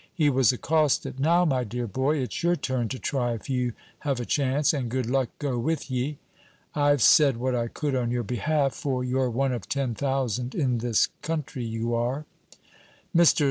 He was accosted: 'Now, my dear boy, it's your turn to try if you have a chance, and good luck go with ye. I've said what I could on your behalf, for you're one of ten thousand in this country, you are.' Mr.